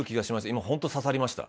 今本当刺さりました。